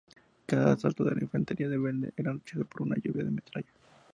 Cada asalto de la infantería rebelde era rechazado por una lluvia de metralla.